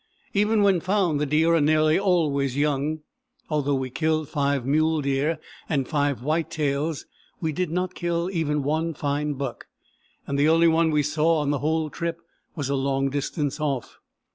Even when found, the deer are nearly always young. Although we killed five mule deer and five white tails, we did not kill even one fine buck, and the only one we saw on the whole trip was a long distance off.